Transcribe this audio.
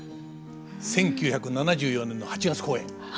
１９７４年の８月公演。